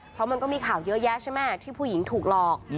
เพราะมันก็มีข่าวเยอะแยะใช่ไหมที่ผู้หญิงถูกหลอก